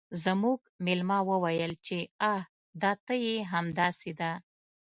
زموږ میلمه وویل چې آه دا ته یې همداسې ده